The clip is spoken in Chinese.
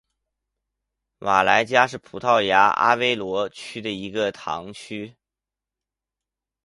瓦莱加是葡萄牙阿威罗区的一个堂区。